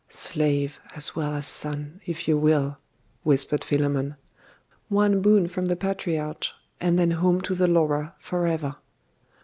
'Slave, as well as son, if you will!' whispered Philammon. 'One boon from the patriarch; and then home to the Laura for ever!